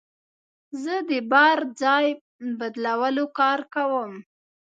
زه د بار ځای بدلولو کار کوم.